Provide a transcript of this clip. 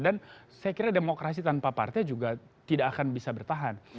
dan saya kira demokrasi tanpa partai juga tidak akan bisa bertahan